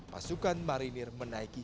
pasukan marinir menaiki